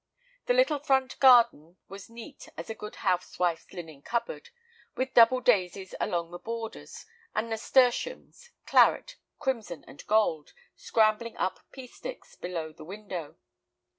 The little front garden was neat as a good housewife's linen cupboard, with double daisies along the borders, and nasturtiums, claret, crimson, and gold, scrambling up pea sticks below the window.